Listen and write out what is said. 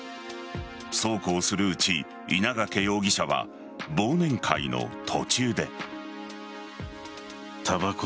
そうこうするうち稲掛容疑者は忘年会の途中で。